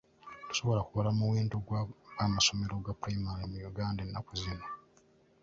Tosobola kubala muwendo gw'amasomero ga pulayimale mu Uganda ennaku zino.